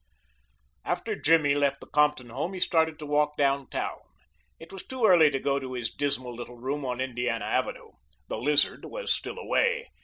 After Jimmy left the Compton home he started to walk down town. It was too early to go to his dismal little room on Indiana Avenue. The Lizard was still away.